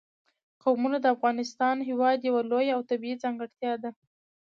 قومونه د افغانستان هېواد یوه لویه او طبیعي ځانګړتیا ده.